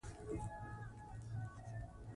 د ژبي خدمت، د وطن خدمت دی.